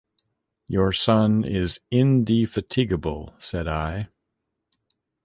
"Your son is indefatigable," said I.